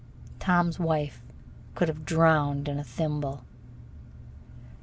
Tom's wife could have drowned in a thimble.